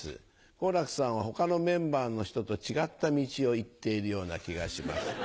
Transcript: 好楽さんは他のメンバーの人と違った道をいっているような気がします。